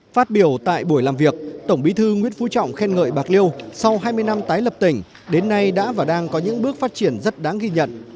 phát biểu tại buổi làm việc tổng bí thư nguyễn phú trọng khen ngợi bạc liêu sau hai mươi năm tái lập tỉnh đến nay đã và đang có những bước phát triển rất đáng ghi nhận